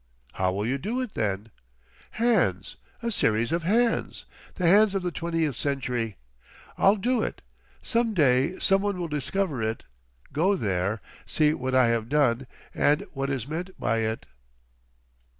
"How will you do it, then?" "Hands—a series of hands! The hands of the Twentieth Century. I'll do it. Some day some one will discover it—go there—see what I have done, and what is meant by it."